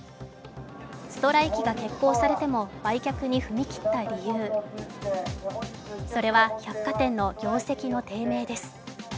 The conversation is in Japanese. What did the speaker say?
ストライキが決行されても売却に踏み切った理由、それは百貨店の業績の低迷です。